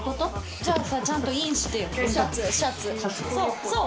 じゃあ、ちゃんとインしてよ、シャツ、シャツ。